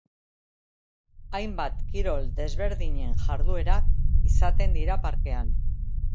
Hainbat kirol desberdinen jarduerak izaten dira parkean.